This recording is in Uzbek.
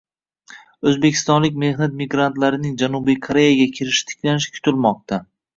O‘zbekistonlik mehnat migrantlarining Janubiy Koreyaga kirishi tiklanishi kutilmoqda